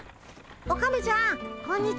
オカメちゃんこんにちは。